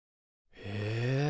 へえ。